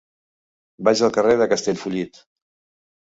Vaig al carrer de Castellfollit.